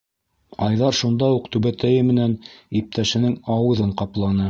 Айҙар шунда уҡ түбәтәйе менән иптәшенең ауыҙын ҡапланы.